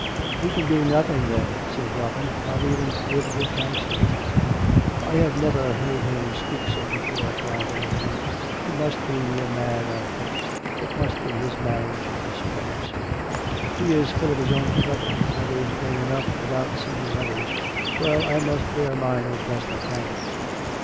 "He can do nothing, then," said Robin; "not even to give good counsel." " I have never heard him speak so before," cried An thony ;" he must be near mad, I think. It must be his marriage, I sruppose." "He is full of his own troubles; that is plain enough, without seeking others. Well, I must bear mine as best I can."